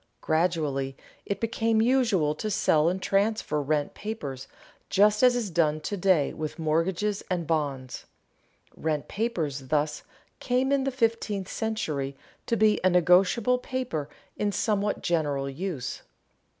Gradually it became usual to sell and transfer rent papers just as is done to day with mortgages and bonds. Rent papers thus came in the fifteenth century to be negotiable paper in somewhat general use.